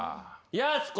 やす子？